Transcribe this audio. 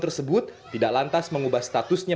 tersebut tidak lantas mengubah statusnya